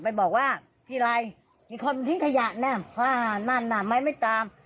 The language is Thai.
ไปบอกว่าทีไรมีคนทิ้งขยะเนี้ยอ้าวนั่นน่ะไม่ตาม